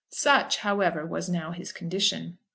Such, however, was now his condition.